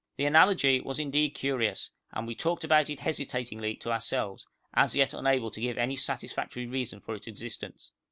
The analogy was indeed curious, and we talked about it hesitatingly to ourselves, as yet unable to give any satisfactory reason for its existence.